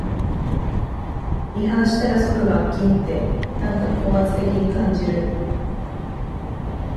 違反したら即罰金って、なんか高圧的に感じる